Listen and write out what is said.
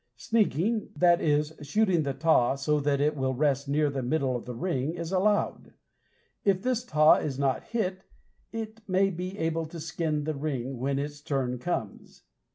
"Sneaking," that is, shooting the taw so that it will rest near the middle of the ring, is allowed. If this taw is not hit, it may be able to skin the ring when its turn comes.